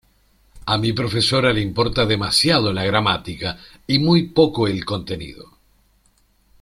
A mi profesora le importa demasiado la gramática y muy poco el contenido.